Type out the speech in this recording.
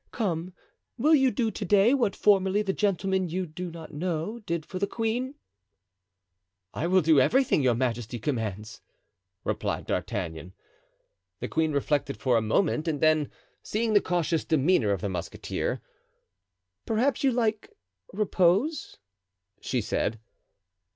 Come, will you do to day what formerly the gentleman you do not know did for the queen?" "I will do everything your majesty commands," replied D'Artagnan. The queen reflected for a moment and then, seeing the cautious demeanor of the musketeer: "Perhaps you like repose?" she said.